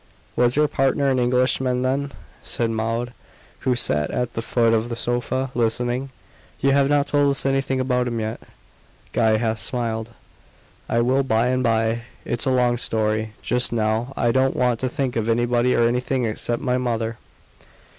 "Was your partner an Englishman, then?" said Maud, who sat at the foot of the sofa, listening. "You have not told us anything about him yet." Guy half smiled. "I will by and by. It's a long story. Just now I don't want to think of anybody or anything except my mother."